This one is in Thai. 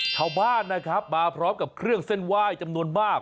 ชาวบ้านนะครับมาพร้อมกับเครื่องเส้นไหว้จำนวนมาก